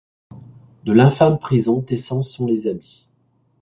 De l’infâme prison tes sens sont les. habits ;